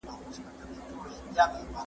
زه خواړه نه ورکوم!!